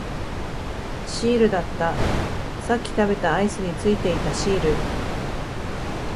シールだった、さっき食べたアイスについていたシール